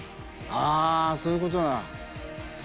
あそういうことだ。